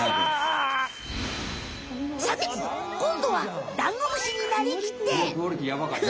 さてこんどはダンゴムシになりきって。